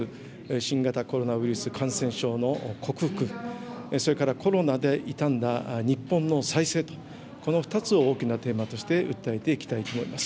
新型コロナウイルス感染症の克服、それからコロナで痛んだ日本の再生と、この２つを大きなテーマとして訴えていきたいと思います。